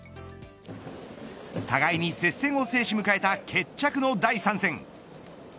互いに接戦を制し迎えた決着の第３戦。